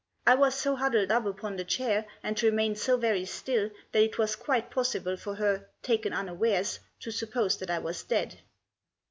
I was so huddled up upon the chair, and remained so very still, that it was quite possible for her, taken unawares, to suppose that I was dead.